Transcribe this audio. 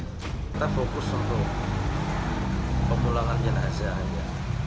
kita fokus untuk pemulangan jenazah aja